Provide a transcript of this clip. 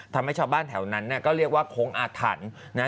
ทำให้ชาวบ้านแถวนั้นเนี่ยก็เรียกว่าโค้งอาถรรพ์นะฮะ